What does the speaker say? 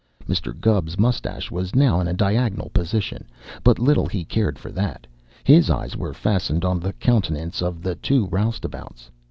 Mr. Gubb's mustache was now in a diagonal position, but little he cared for that. His eyes were fastened on the countenances of the two roustabouts.